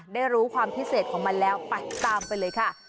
ได้รู้ความพิเศษของมันแล้วไปตามไปเลยค่ะ